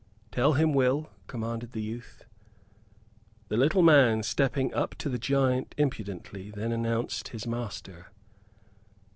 "Tell him, Will," commanded the youth. The little man, stepping up to the giant impudently, then announced his master.